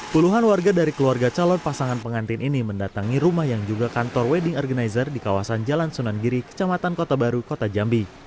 puluhan warga dari keluarga calon pasangan pengantin ini mendatangi rumah yang juga kantor wedding organizer di kawasan jalan sunan giri kecamatan kota baru kota jambi